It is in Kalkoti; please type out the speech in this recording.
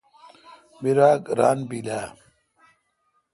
بیدراگ ران بیل اہ؟